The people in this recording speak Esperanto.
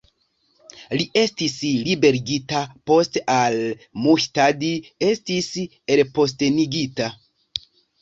Li estis liberigita post al-Muhtadi estis elpostenigita.